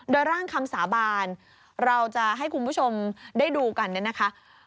โดยร่างคำสาบานเราจะให้คุณผู้ชมได้ดูกันเนี่ยนะคะ